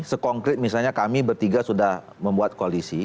sekonkret misalnya kami bertiga sudah membuat koalisi